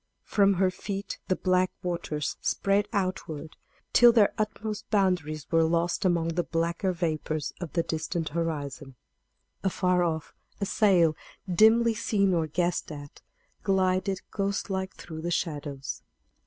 From her feet the black waters spread outward, till their utmost boundaries were lost among the blacker vapors of the distant horizon. Afar off a sail, dimly seen or guessed at, glided ghost like through the shadows.